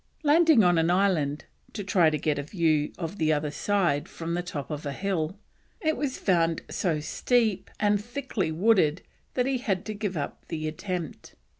Landing on an island to try to get a view of the other side from the top of a hill, it was found so steep and thickly wooded he had to give up the attempt.